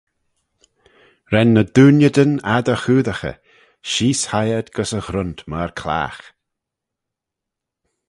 Ren ny diunidyn ad y choodaghey: sheese hie ad gys y ghrunt myr clagh.